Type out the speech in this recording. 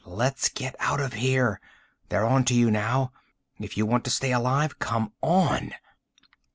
"Let's get out of here! They're on to you now. If you want to stay alive, come on!"